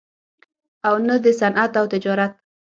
او نه دَصنعت او تجارت